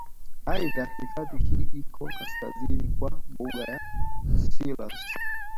Aidha hifadhi hii iko kaskazini kwa mbuga ya Selous